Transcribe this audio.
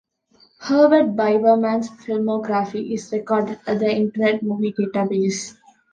Herbert Biberman's filmography is recorded at the Internet Movie Database.